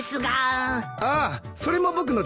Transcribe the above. ああそれも僕のです。